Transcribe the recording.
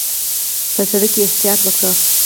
په سړک کې احتیاط وکړئ